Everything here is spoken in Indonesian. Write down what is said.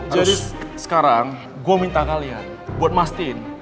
jadi sekarang gue minta kalian buat mastiin